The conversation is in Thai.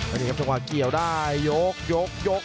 อันนี้ครับช่วยมากกี่เอาได้ยกยกยก